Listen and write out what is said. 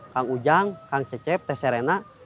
kang ujang kang cecep tes serena